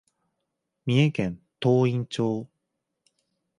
三重県東員町